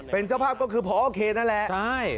เป็นเจ้าภาพก็คือพ่ออาจารย์เขตนั้นแหละใช่